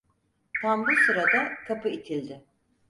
Tam bu sırada kapı itildi.